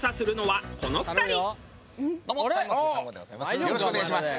よろしくお願いします。